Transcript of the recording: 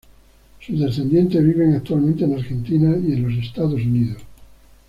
Sus descendientes viven actualmente en Argentina y en los Estados Unidos.